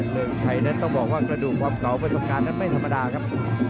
เมืองชัยนั้นต้องบอกว่ากระดูกความเก่าประสบการณ์นั้นไม่ธรรมดาครับ